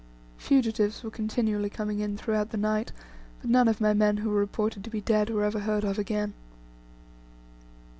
Fugitives were continually coming in throughout the night, but none of my men who were reported to be dead, were ever heard of again.